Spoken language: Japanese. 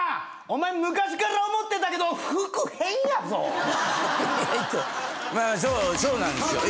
お前昔から思ってたけど服変やぞ⁉そうなんですよ。